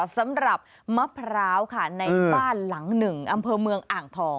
สำหรับมะพร้าวค่ะในบ้านหลังหนึ่งอำเภอเมืองอ่างทอง